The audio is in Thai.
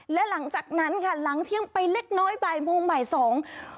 และหลังจากนั้นค่ะหลังเที่ยงไปเล็กน้อยบ่ายโมงบ่ายสอง